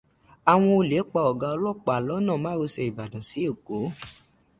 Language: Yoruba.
Àwọn olè pa ọ̀gá ọlọ́pàá lọ́nà mọ́rosẹ̀ Ìbàdàn sí Èkó